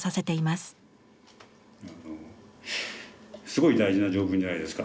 すごい大事な条文じゃないですか。